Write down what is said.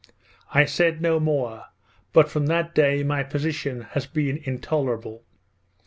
I said no more, but from that day my position has been intolerable.